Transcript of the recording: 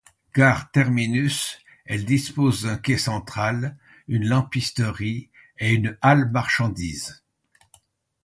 Gare terminus, elle dispose d'un quai central, une lampisterie et une halle à marchandises.